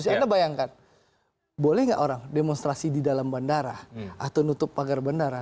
anda bayangkan boleh nggak orang demonstrasi di dalam bandara atau nutup pagar bandara